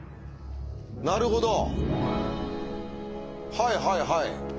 はいはいはい。